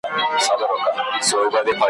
خړي څانګي تور زاغان وای `